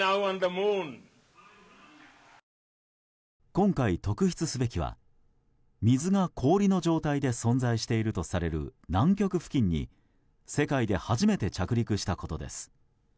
今回特筆すべきは水が氷の状態で存在しているとされる南極付近に世界で初めて着陸したことです。